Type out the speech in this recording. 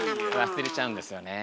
忘れちゃうんですよねえ。